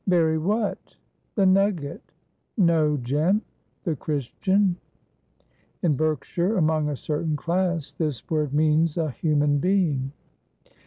"Bury what? The nugget?" "No, Jem, the Christian." In Berkshire, among a certain class, this word means "a human being."